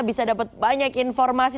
bisa dapat banyak informasi